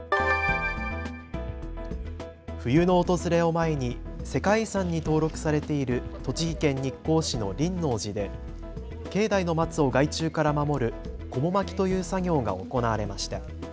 冬の訪れを前に世界遺産に登録されている栃木県日光市の輪王寺で境内のマツを害虫から守るこも巻きという作業が行われました。